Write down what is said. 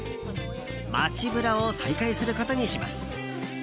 街ブラを再開することにします。